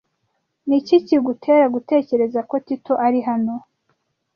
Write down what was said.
Niki kigutera gutekereza ko Tito ari hano?